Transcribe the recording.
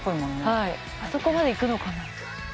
はいあそこまで行くのかな？